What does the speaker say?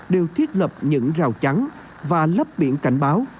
đều thiết lập những rào chắn và lắp biển cảnh báo